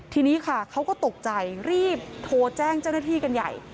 ทีนี้ค่ะเขาก็ตกใจรีบโทรแจ้งเจ้าหน้าที่กันใหญ่